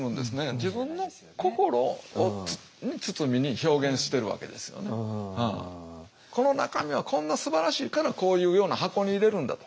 自分のこの中身はこんなすばらしいからこういうような箱に入れるんだと。